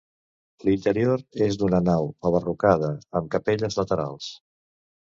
L'interior és d'una nau, abarrocada, amb capelles laterals.